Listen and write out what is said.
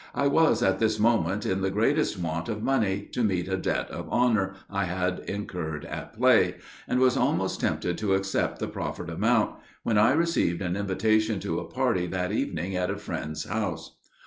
I was, at this moment, in the greatest want of money to meet a debt of honour I had incurred at play, and was almost tempted to accept the proffered amount, when I received an invitation to a party that evening at a friend's house.